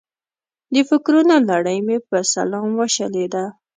د فکرونو لړۍ مې په سلام وشلېده.